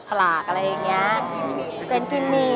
อย่างงี้